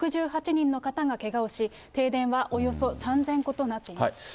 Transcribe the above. ６８人の方がけがをし、停電はおよそ３０００戸となっています。